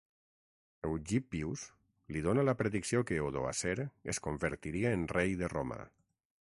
Eugippius li dona la predicció que Odoacer es convertiria en rei de Roma.